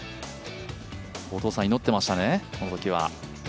お父さん祈ってましたね、このときは。